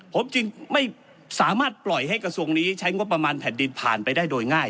ผมจึงไม่สามารถปล่อยให้กระทรวงนี้ใช้งบประมาณแผ่นดินผ่านไปได้โดยง่าย